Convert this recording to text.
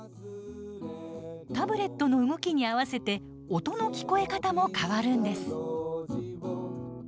タブレットの動きに合わせて音の聞こえ方も変わるんです。